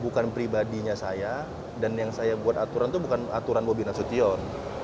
bukan pribadinya saya dan yang saya buat aturan itu bukan aturan bobi nasution